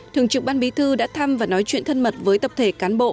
thường trực ban bí thư đã thăm và nói chuyện thân mật với tập thể cán bộ